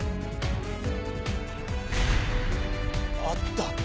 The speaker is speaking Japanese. あった！